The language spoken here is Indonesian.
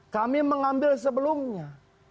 kami mengambil sebelumnya